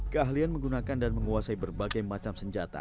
keahlian menggunakan dan menguasai berbagai macam senjata